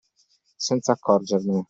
Senza accorgermene!